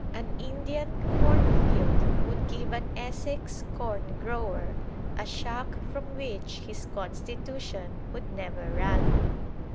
An Indian corn field would give an Essex corn grower a shock from which his constitution would never rally.